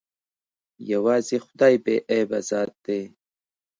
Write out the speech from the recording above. يوازې خداى بې عيبه ذات ديه.